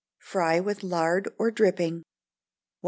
Fry with lard or dripping. 1307.